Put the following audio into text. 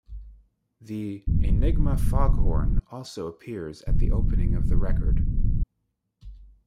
The "Enigma foghorn" also appears at the opening of the record.